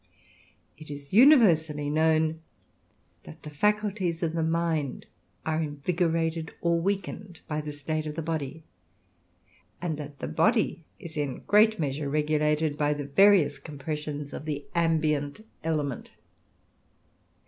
It is universally known that the faculties of the mind are invigorated or weakened by the state of the body, and that the body is in a great measure regulated by the various compressions of the ambient element.